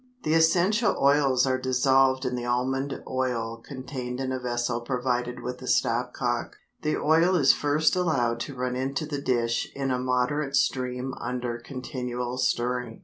The essential oils are dissolved in the almond oil contained in a vessel provided with a stop cock. The oil is first allowed to run into the dish in a moderate stream under continual stirring.